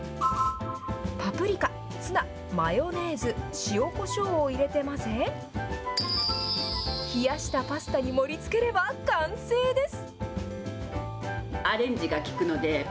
パプリカ、ツナ、マヨネーズ、塩、こしょうを入れて混ぜ、冷やしたパスタに盛りつければ、完成です。